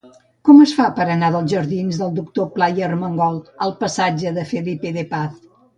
Com es fa per anar dels jardins del Doctor Pla i Armengol al passatge de Felipe de Paz?